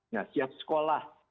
nah siap sekolah